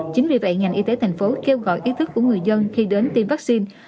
chính vì vậy ngành y tế tp hcm kêu gọi ý thức của người dân khi đến tiêm vaccine